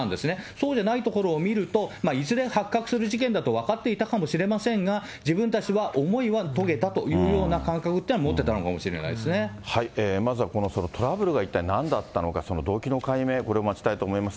そうじゃないところを見ると、いずれ発覚する事件だと分かっていたかもしれませんが、自分たちは思いは遂げたというような感覚ってのは持ってたのかもまずはこのトラブルが一体なんだったのか、その動機の解明、これを待ちたいと思います。